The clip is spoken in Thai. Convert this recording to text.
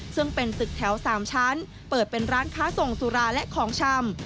ซึ่งเป็นตึกแถว๓ชั้นเปิดเป็นร้านค้าส่งสุราและของชำ